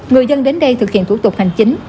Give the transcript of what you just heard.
người dân đến đây thực hiện thủ tục hành chính